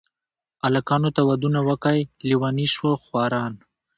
الکانو ته ودونه وکئ لېوني شوه خواران.